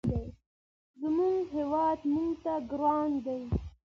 زموږ هېواد موږ ته ګران دی.